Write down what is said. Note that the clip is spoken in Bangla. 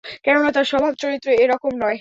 কেননা, তার স্বভাব-চরিত্র এ রকম নয়।